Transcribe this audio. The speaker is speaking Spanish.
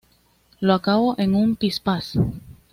Lo acabo en un pispás